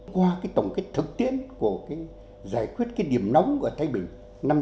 qua cái tổng kết thực tiễn của cái giải quyết cái điểm nóng của thái bình năm chín mươi bảy